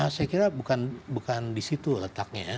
saya kira bukan di situ letaknya ya